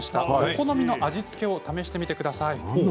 好みの味付けを試してみてください。